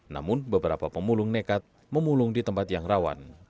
namun beberapa pemulung nekat memulung di tempat yang rawan